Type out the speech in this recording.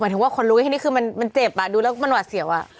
หมายถึงว่าขนลุกอย่างนี้คือมันเจ็บอ่ะดูแล้วมันหวัดเสี่ยวอ่ะ